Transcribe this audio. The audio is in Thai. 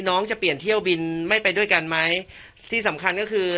น้องจะเปลี่ยนเที่ยวบินไม่ไปด้วยกันไหมที่สำคัญก็คือ